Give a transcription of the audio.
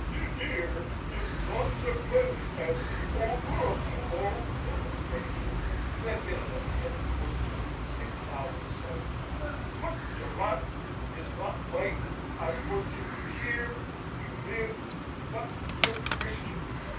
"Ter teer is not so plenty as in tee old war, Pumppo," said the Major, who had been an attentive listener, amid clouds of smoke; "put ter lant is not mate as for ter teer to live on, put for Christians."